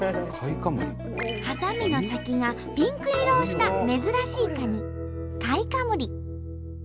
ハサミの先がピンク色をした珍しいカニカイカムリ。